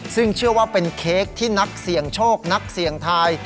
ซึ่งเชื่อว่าเป็นเค้กที่นักเสี่ยงโชคนักเสี่ยงทาย